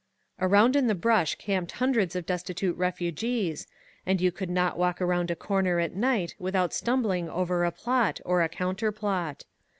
Around im the brush camped hundreds of destitute refugees, and you could not walk around ^a corner at night with out stimibling over a plot or a counterplot.